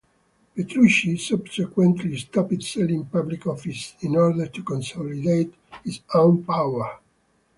Petrucci subsequently stopped selling public offices in order to consolidate his own power.